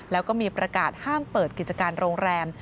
แล้วก็มีประกาศห้ามเปิดกิจการโรงแรม